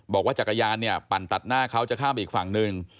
บอกว่าจักรยานเนี่ยปั่นตัดหน้าเขาจะข้ามอีกฝั่งหนึ่ง